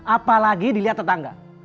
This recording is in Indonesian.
apalagi dilihat tetangga